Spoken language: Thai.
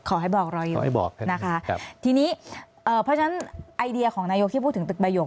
ขอให้บอกเรายุ่งนะคะทีนี้เพราะฉะนั้นไอเดียของนายโยคี่พูดถึงตึกบายก